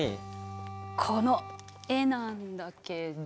この絵なんだけど。